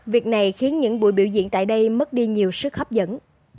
việc này khiến những buổi biểu diễn tại đây mất đi nhiều sức hấp dẫn